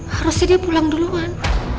harusnya dia pulang duluan